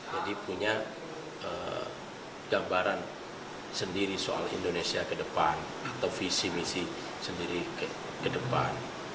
jadi punya gambaran sendiri soal indonesia ke depan atau visi misi sendiri ke depan